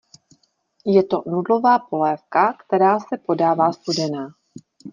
Je to nudlová polévka, která se podává studená.